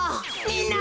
みんな！